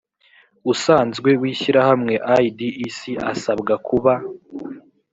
usanzwe w ishyirahamwe idec asabwa kuba